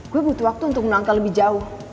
gue butuh waktu untuk menangkal lebih jauh